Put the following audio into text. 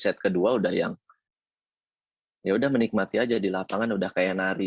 set kedua udah yang yaudah menikmati aja di lapangan udah kayak nari